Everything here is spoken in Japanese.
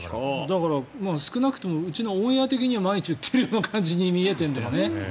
だから、少なくともうちのオンエア的には毎日打っているような感じに見えてるんだよね。